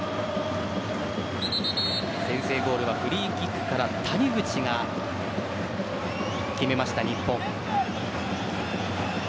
先制ゴールはフリーキックから谷口が決めました、日本。